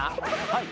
はい。